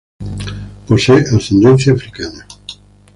Posee ascendencia africana.